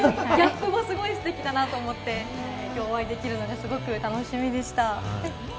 ギャップもすごくステキだなと思って今日お会いできるのが楽しみでした。